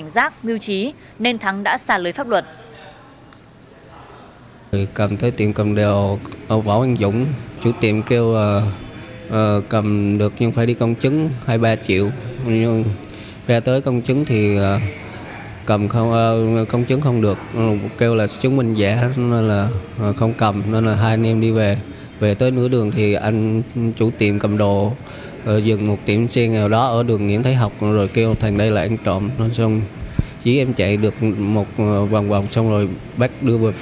rất may gặp người chủ hiệu cầm đồ cảnh giác mưu trí nên thắng đã xả lời pháp luật